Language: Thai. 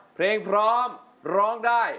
เพลงพร้อมร้องได้